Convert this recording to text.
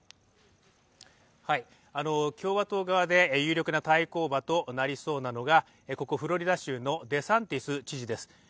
共和党側で有力な対抗馬となりそうなのがここフロリダ州のデサンティス知事です。